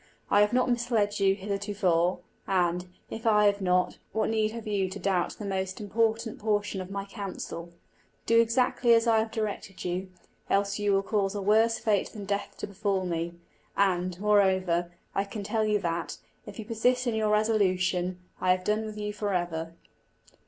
I have not misled you heretofore, and, if I have not, what need have you to doubt the most important portion of my counsel? Do exactly as I have directed you, else you will cause a worse fate than death to befall me. And, moreover, I can tell you that, if you persist in your resolution, I have done with you for ever."